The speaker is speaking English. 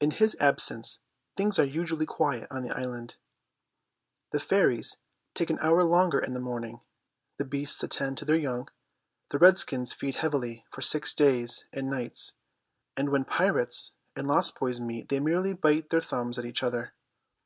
In his absence things are usually quiet on the island. The fairies take an hour longer in the morning, the beasts attend to their young, the redskins feed heavily for six days and nights, and when pirates and lost boys meet they merely bite their thumbs at each other.